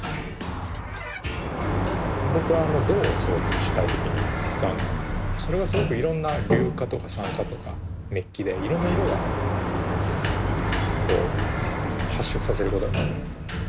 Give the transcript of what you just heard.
僕は銅をすごく主体的に使うんですけどそれがすごくいろんな硫化とか酸化とかメッキでいろんな色がこう発色させることができるんですよね。